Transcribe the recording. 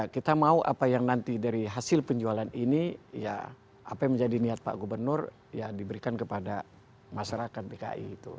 kita mau apa yang nanti dari hasil penjualan ini ya apa yang menjadi niat pak gubernur ya diberikan kepada masyarakat dki itu